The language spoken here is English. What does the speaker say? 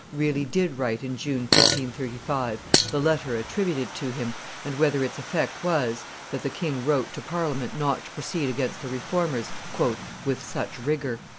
really did write in June, 1535, the letter attributed to him, and whether its effect was, that the king wrote to Parliament not to proceed against the Reformers "with such rigor."